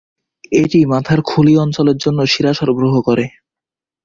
এটি মাথার খুলি অঞ্চলের জন্য শিরা সরবরাহ করে।